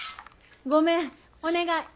ごめんお願い。